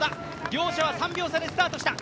両者は３秒差でスタートした。